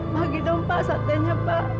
magi dong pak satenya pak